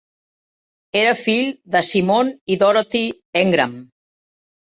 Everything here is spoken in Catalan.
Era fill de Simon i Dorothy Engram.